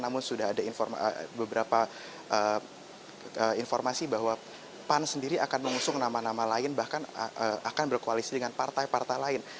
namun sudah ada beberapa informasi bahwa pan sendiri akan mengusung nama nama lain bahkan akan berkoalisi dengan partai partai lain